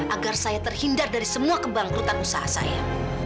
agar saya terhindar dari semua kebangkrutan usaha saya